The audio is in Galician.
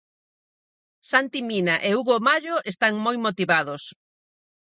Santi Mina e Hugo Mallo están moi motivados.